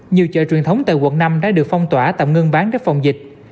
nhiều chợ truyền thống tại quận năm đã được phong tỏa tạm ngưng bán để phòng dịch